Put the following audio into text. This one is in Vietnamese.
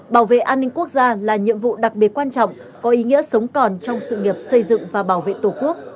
bảo vệ an ninh quốc gia là nhiệm vụ đặc biệt quan trọng có ý nghĩa sống còn trong sự nghiệp xây dựng và bảo vệ tổ quốc